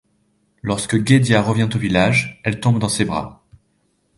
Lorsque Guedia revient au village, elle tombe dans ses bras.